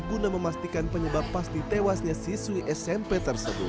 guna memastikan penyebab pasti tewasnya siswi smp tersebut